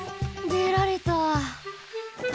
でられた。